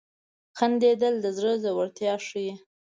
• خندېدل د زړه زړورتیا ښيي.